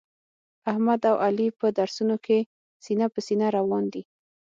احمد او علي په درسونو کې سینه په سینه روان دي.